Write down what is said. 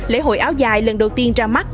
lễ hội áo dài lần đầu tiên ra mắt